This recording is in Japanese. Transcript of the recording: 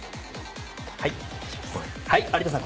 有田さん